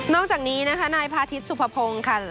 จากนี้นะคะนายพาทิตยสุภพงศ์ค่ะ